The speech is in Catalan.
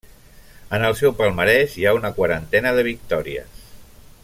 En el seu palmarès hi ha una quarantena de victòries.